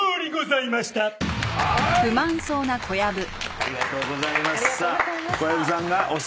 ありがとうございます。